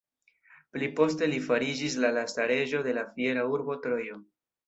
Pli poste li fariĝis la lasta reĝo de la fiera urbo Trojo.